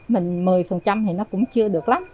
mình một mươi thì nó cũng chưa được lắm